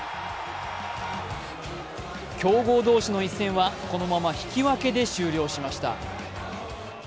強豪同士の一戦は、このまま引き分けで終了しました。